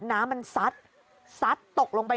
น้ำมันซัดซัดตกลงไป